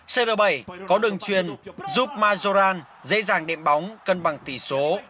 cr bảy có đường truyền giúp majoran dễ dàng đệm bóng cân bằng tỷ số